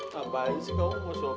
sekali kali ke sopin aku juga